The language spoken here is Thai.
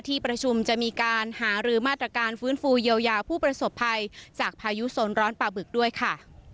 ที่ประชุมจะมีการหารือมาตรการฟื้นฟูเยียวยาผู้ประสบภัยจากพายุโซนร้อนปลาบึกด้วยค่ะ